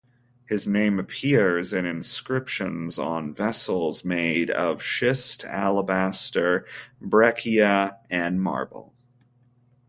His name appears in inscriptions on vessels made of schist, alabaster, breccia and marble.